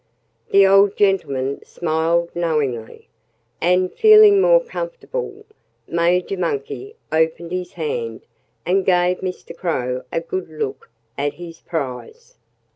The old gentleman smiled knowingly. And feeling more comfortable, Major Monkey opened his hand and gave Mr. Crow a good look at his prize.